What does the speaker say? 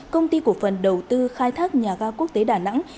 công ty cổ phần đầu tư khai thác nhà ga quốc tế đà nẵng